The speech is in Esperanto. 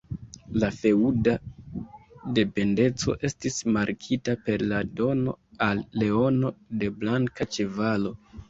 La feŭda dependeco estis markita per la dono al Leono de blanka ĉevalo.